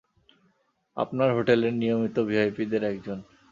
আপনার হোটেলের নিয়মিত ভিআইপিদের একজন।